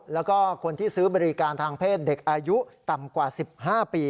แล้วก็คนที่ซื้อบริการทางเพศเด็กอายุต่ำกว่า๑๕ปี